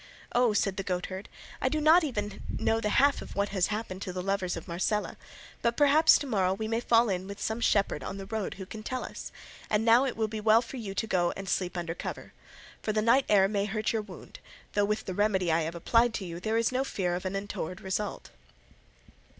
"Oh," said the goatherd, "I do not know even the half of what has happened to the lovers of Marcela, but perhaps to morrow we may fall in with some shepherd on the road who can tell us; and now it will be well for you to go and sleep under cover, for the night air may hurt your wound, though with the remedy I have applied to you there is no fear of an untoward result."